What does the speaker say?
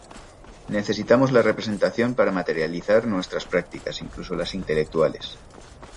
Necesitamos la representación para materializar nuestras prácticas, incluso las intelectuales.